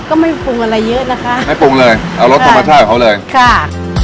ก็ไม่ปรุงอะไรเยอะนะคะให้ปรุงเลยเอารสธรรมชาติของเขาเลยค่ะ